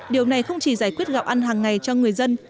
điều này không chỉ giải quyết gạo ăn hàng ngày cho người dân